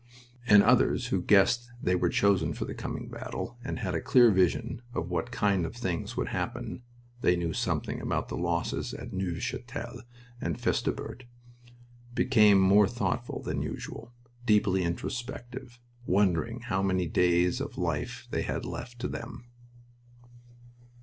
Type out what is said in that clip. And others, who guessed they were chosen for the coming battle, and had a clear vision of what kind of things would happen (they knew something about the losses at Neuve Chapelle and Festubert), became more thoughtful than usual, deeply introspective, wondering how many days of life they had left to them.